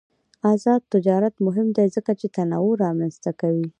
آزاد تجارت مهم دی ځکه چې تنوع رامنځته کوي.